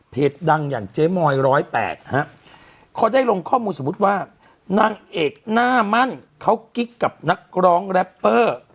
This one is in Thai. ดังอย่างเจ๊มอย๑๐๘ฮะเขาได้ลงข้อมูลสมมุติว่านางเอกหน้ามั่นเขากิ๊กกับนักร้องแรปเปอร์